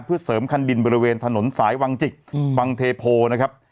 เพื่อเสริมคันดินบริเวณถนนสายวังจิกวังเทโพนะครับ